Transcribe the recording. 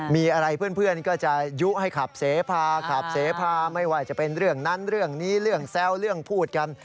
มีอะไรเพื่อนก็จะยุให้ขับเสพาขับเสพาไม่ว่าจะเป็นเรื่องนั้นเรื่องนี้เรื่องแซวเรื่องพูดกัน